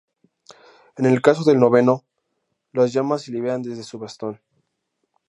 En el caso del Noveno, las llamas se liberan desde su bastón.